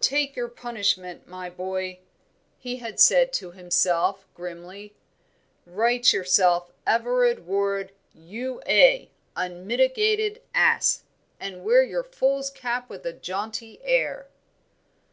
"Take your punishment, my boy," he had said to himself, grimly. "Write yourself Everard Ward, U.A., unmitigated ass; and wear your fool's cap with a jaunty air.